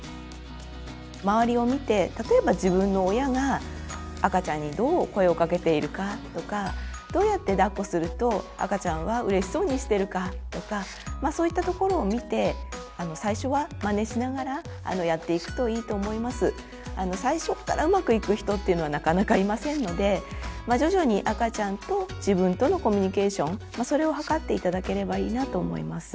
まわりを見て例えば自分の親が赤ちゃんにどう声をかけているかとかどうやってだっこすると赤ちゃんはうれしそうにしてるかとかそういったところを見て最初からうまくいく人っていうのはなかなかいませんので徐々に赤ちゃんと自分とのコミュニケーションそれを図って頂ければいいなと思います。